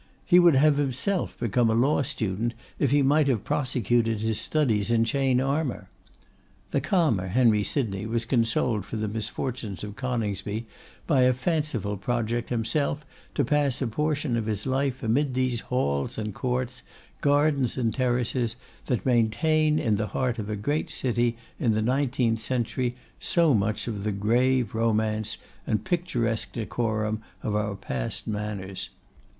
He would have himself become a law student if he might have prosecuted his studies in chain armour. The calmer Henry Sydney was consoled for the misfortunes of Coningsby by a fanciful project himself to pass a portion of his life amid these halls and courts, gardens and terraces, that maintain in the heart of a great city in the nineteenth century, so much of the grave romance and picturesque decorum of our past manners.